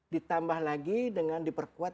ditambah lagi dengan diperkuat